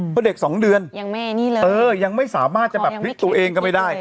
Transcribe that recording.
เพราะเด็กสองเดือนยังไม่สามารถจะพลิกตัวเองก็ไม่ได้